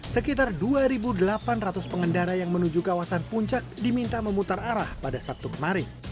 sekitar dua delapan ratus pengendara yang menuju kawasan puncak diminta memutar arah pada sabtu kemarin